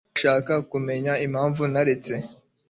Urashaka kumenya impamvu naretse?